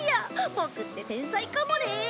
ボクって天才かもね。